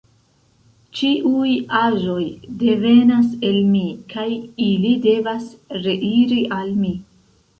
Ĉiuj aĵoj devenas el Mi, kaj ili devas reiri al Mi.